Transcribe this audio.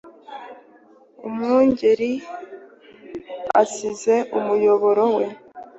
Umwungeri asize umuyoboro we,